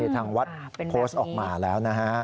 ทางวัดโพสต์ออกมาแล้วนะฮะ